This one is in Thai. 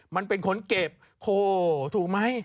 มันเป็นคนเก็บโหถูกไหม